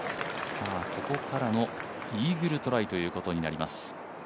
ここからのイーグルトライということになります。